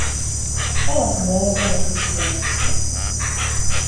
Ssabasumba yawadde abakrisitu omukisa.